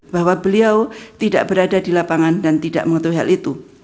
bahwa beliau tidak berada di lapangan dan tidak mengetahui hal itu